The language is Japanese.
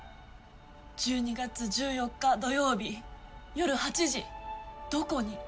１２月１４日土曜日夜８時どこに。